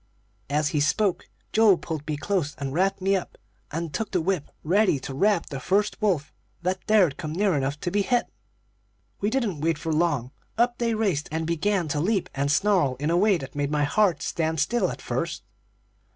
"As he spoke, Joe pulled me close, and wrapped me up, then took the whip, ready to rap the first wolf that dared come near enough to be hit. We didn't wait long; up they raced, and began to leap and snarl in a way that made my heart stand still, at first.